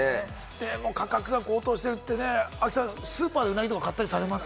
でも価格が高騰してるってね、亜希さんスーパーでうなぎ買ったりされます？